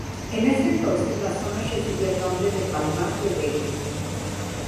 En ese entonces la zona recibió el nombre de "Palmar de Vega".